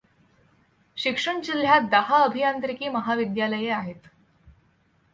शिक्षण जिल्ह्यात दहा अभियांत्रिकी महाविद्यालये आहेत.